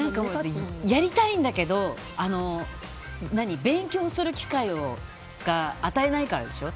やりたいんだけど勉強する機会を与えないからでしょ、